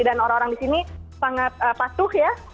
dan orang orang disini sangat patuh ya